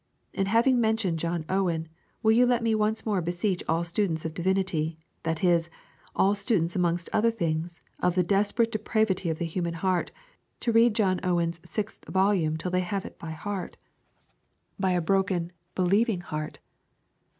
And having mentioned John Owen, will you let me once more beseech all students of divinity, that is, all students, amongst other things, of the desperate depravity of the human heart, to read John Owen's sixth volume till they have it by heart, by a broken, believing heart.